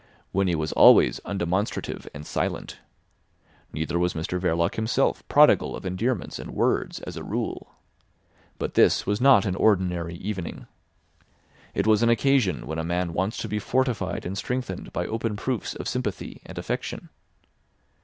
Winnie was always undemonstrative and silent. Neither was Mr Verloc himself prodigal of endearments and words as a rule. But this was not an ordinary evening. It was an occasion when a man wants to be fortified and strengthened by open proofs of sympathy and affection.